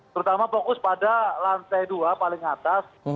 terutama fokus pada lantai dua paling atas